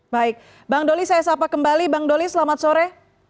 baik bang doli saya sapa kembali bang doli selamat sore